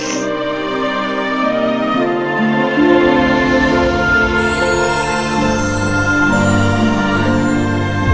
gak perlu takut sama dia